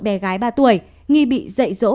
bé gái ba tuổi nghi bị dậy dỗ